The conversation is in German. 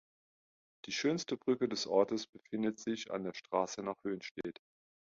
Die schönste Brücke des Ortes befindet sich an der Straße nach Höhnstedt.